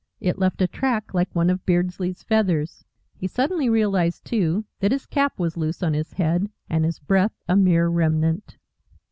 It left a track like one of Beardsley's feathers. He suddenly realised, too, that his cap was loose on his head and his breath a mere remnant.